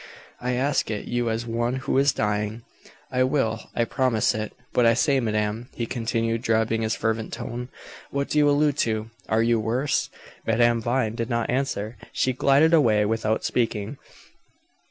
"I ask it you as one who is dying." "I will I promise it. But I say, madame," he continued, dropping his fervent tone, "what do you allude to? Are you worse?" Madame Vine did not answer. She glided away without speaking.